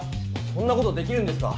そんな事できるんですか？